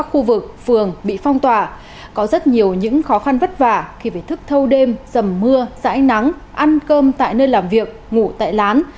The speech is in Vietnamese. trong những ngày qua khu vực phường bị phong tỏa có rất nhiều những khó khăn vất vả khi phải thức thâu đêm dầm mưa rãi nắng ăn cơm tại nơi làm việc ngủ tại lán